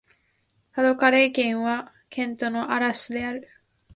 パ＝ド＝カレー県の県都はアラスである